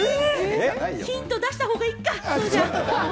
ヒントを出した方がいいか。